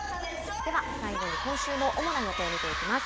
では最後に今週の主な予定、見ていきます。